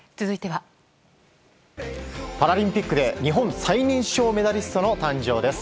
パラリンピックで日本史上最年少メダリストの誕生です。